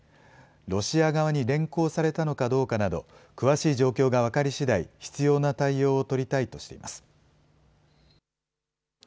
ロシア側に連行されたのかどうかなど、詳しい状況が分かりしだい、必要な対応を取りたいとしています。